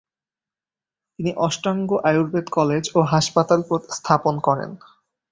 তিনি অষ্টাঙ্গ আয়ুর্বেদ কলেজ ও হাসপাতাল স্থাপন করেন।